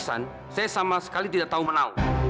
saya sama sekali tidak tahu menau